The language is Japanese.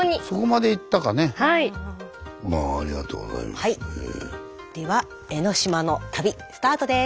では江の島の旅スタートです！